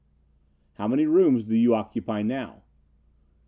"How many rooms do you occupy now?"